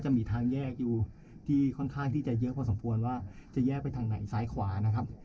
จะมีทางแยกอยู่ที่ค่อนข้างที่จะเยอะพอสมควรว่าจะแยกไปทางไหนซ้ายขวานะครับ